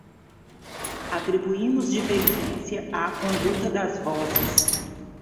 Atribuímos divergência à conduta das vozes.